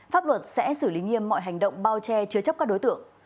pháp luật sẽ xử lý nghiêm mọi hành động bao che chứa chấp các đối tượng